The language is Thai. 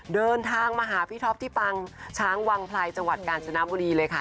เดินทางมาหาพี่ท็อปที่ปังช้างวังไพรจังหวัดกาญจนบุรีเลยค่ะ